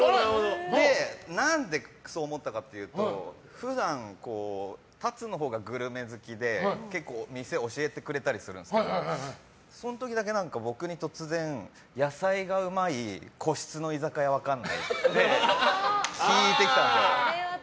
で、何でそう思ったかというと普段、ＴＡＴＳＵのほうがグルメ好きで結構、店を教えてくれたりするんですけどその時だけ僕に突然野菜がうまい個室の居酒屋分かんない？って聞いてきたんですよ。